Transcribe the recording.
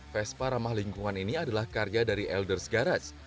vespa ramah lingkungan ini adalah karya dari elders garage